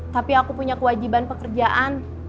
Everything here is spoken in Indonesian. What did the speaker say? tapi aku punya kewajiban pekerjaan